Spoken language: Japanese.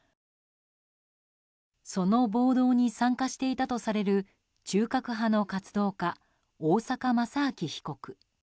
その暴動に参加していたとされる中核派の活動家大坂正明被告。